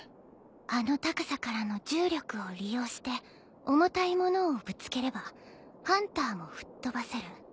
あの高さからの重力を利用して重たいものをぶつければハンターも吹っ飛ばせる。